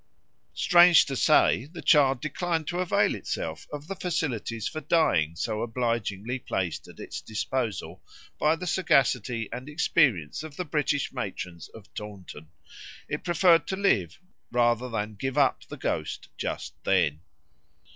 Strange to say, the child declined to avail itself of the facilities for dying so obligingly placed at its disposal by the sagacity and experience of the British matrons of Taunton; it preferred to live rather than give up the ghost just then.